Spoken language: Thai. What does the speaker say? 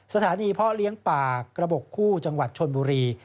สถานีพ่อเลี้ยงป่ากระบบคู่จังหวัดชนบุรี